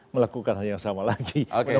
melakukan yang sama lagi